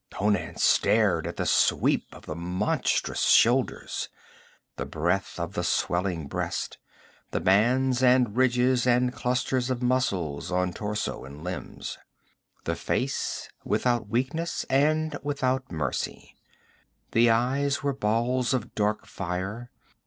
Conan stared at the sweep of the monstrous shoulders, the breadth of the swelling breast, the bands and ridges and clusters of muscles on torso and limbs. The face was without weakness and without mercy. The eyes were balls of dark fire.